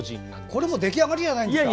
これもう出来上がりじゃないんですか。